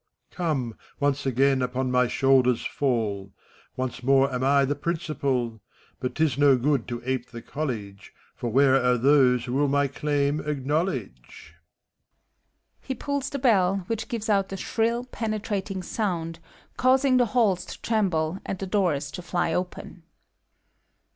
{He puts on the fur mantle.) Come, once again upon my shoulders fall ! Once more am I the Principal. But 't is no good to ape the college ; For where are those who will my claim acknowledge? {He pulls the hell, which gives out a shrill, penetrating sound, causing the halls to tremble and the doors to fly open.)